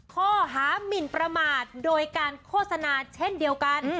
ข้อหามินประมาทโดยการโฆษณาเช่นเดียวกัน